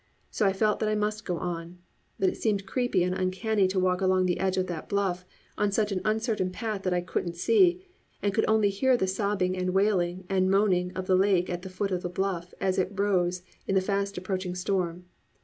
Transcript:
So I felt that I must go on. But it seemed creepy and uncanny to walk along the edge of that bluff on such an uncertain path that I couldn't see, and could only hear the sobbing and wailing and the moaning of the lake at the foot of the bluff as it rose in the fast approaching storm.